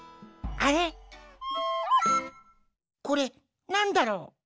これなんだろう？